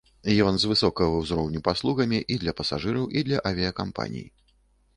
Ён з высокага ўзроўню паслугамі і для пасажыраў, і для авіякампаній.